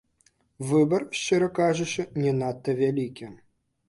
Выбар, шчыра кажучы, не надта вялікі.